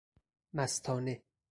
مستانه